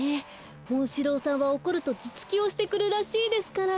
モンシローさんはおこるとずつきをしてくるらしいですから。